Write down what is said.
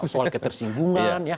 soal ketersinggungan ya